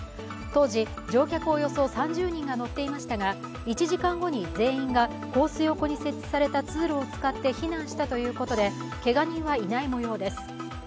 当時乗客およそ３０人が乗っていましたが１時間後に全員がコース横に設置された通路を使って避難したということで、けが人はいないもようです。